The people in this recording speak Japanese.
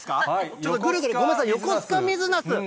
ちょっとぐるぐる、ごめんなさい、よこすか水なす。